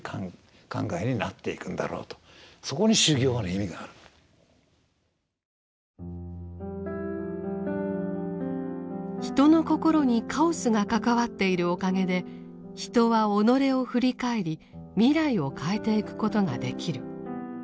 それがどんどんどんどん人の心にカオスが関わっているおかげで人は己を振り返り未来を変えていくことができる。